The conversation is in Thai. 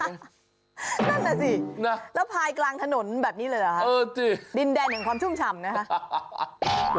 นั่นน่ะสิแล้วพายกลางถนนแบบนี้เลยเหรอฮะดินแดนแห่งความชุ่มฉ่ำนะคะ